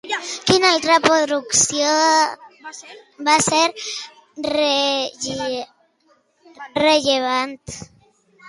Quina altra producció va ser rellevant?